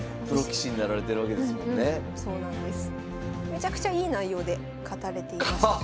めちゃくちゃいい内容で勝たれていました。